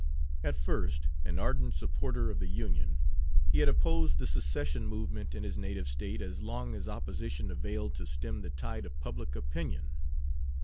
At first an ardent supporter of the Union, he had opposed the secession movement in his native State as long as opposition availed to stem the tide of public opinion.